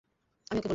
আমি ওকে বলব।